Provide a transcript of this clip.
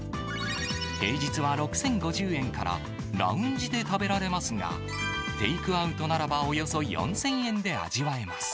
平日は６０５０円から、ラウンジで食べられますが、テイクアウトならばおよそ４０００円で味わえます。